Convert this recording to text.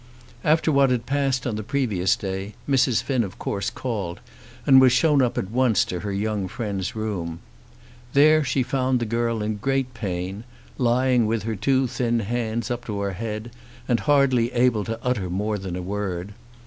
After what had passed on the previous day Mrs. Finn of course called, and was shown at once up to her young friend's room. There she found the girl in great pain, lying with her two thin hands up to her head, and hardly able to utter more than a word.